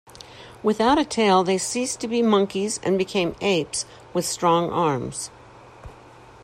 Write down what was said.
Without a tail, they ceased to be monkeys, and became apes with strong arms.